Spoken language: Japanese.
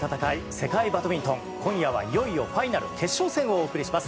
世界バドミントン今夜はいよいよファイナル決勝戦をお送りします。